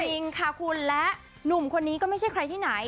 จริงค่ะคุณและหนุ่มคนนี้ก็ไม่ใช่ใครที่ไหน